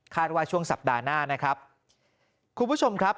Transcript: ว่าช่วงสัปดาห์หน้านะครับคุณผู้ชมครับ